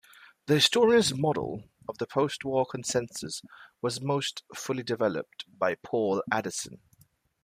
The historians' model of the post-war consensus was most fully developed by Paul Addison.